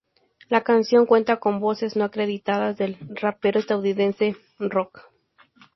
La canción cuenta con voces no acreditadas del rapero estadounidense PnB Rock.